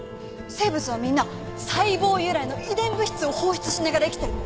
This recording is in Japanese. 生物はみんな細胞由来の遺伝物質を放出しながら生きてるのよ。